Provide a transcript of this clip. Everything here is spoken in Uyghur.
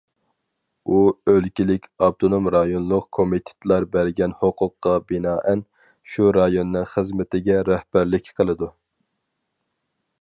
ئۇ ئۆلكىلىك، ئاپتونوم رايونلۇق كومىتېتلار بەرگەن ھوقۇققا بىنائەن، شۇ رايوننىڭ خىزمىتىگە رەھبەرلىك قىلىدۇ.